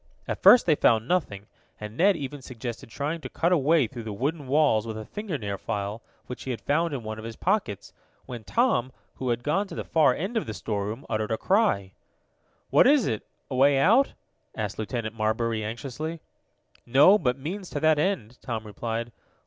At first they found nothing, and Ned even suggested trying to cut a way through the wooden walls with a fingernail file, which he found in one of his pockets, when Tom, who had gone to the far end of the storeroom, uttered a cry. "What is it a way out?" asked Lieutenant Marbury anxiously. "No, but means to that end," Tom replied.